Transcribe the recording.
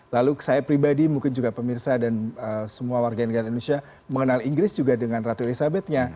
lalu saya pribadi mungkin juga pemirsa dan semua warga negara indonesia mengenal inggris juga dengan ratu elizabeth nya